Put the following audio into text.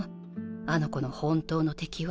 あの子の本当の敵は。